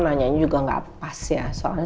nanya juga nggak pas ya soalnya